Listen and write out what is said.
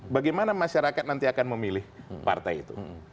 bagaimana masyarakat nanti akan memilih partai itu